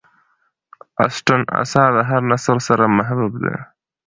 د اسټن آثار د هر نسل سره محبوب دي.